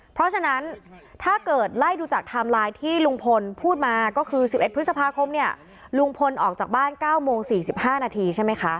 เพราะฉะนั้นถ้าเกิดไล่ดูจากทามไลน์ที่ลุงพลพูดมาก็คือสิบเอ็ดพฤษภาคมเนี่ยลุงพลออกจากบ้านเก้าโมงสี่สิบห้านาทีใช่ไหมคะ